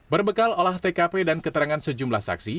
berbekal olah tkp dan keterangan sejumlah saksi